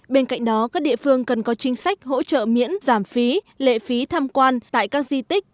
bên cạnh đó các địa phương cần có chính sách hỗ trợ miễn giảm phí lệ phí tham quan tại các di tích